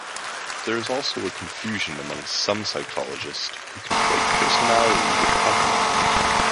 There is also a confusion among some psychologists who conflate personality with temperament.